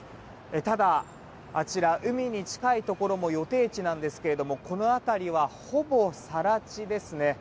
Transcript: ただ、あちら海に近いところも予定地なんですけれどもこの辺りは、ほぼ更地ですね。